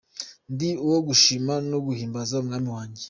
Ndi uwo gushima no guhimbaza Umwami wanjye.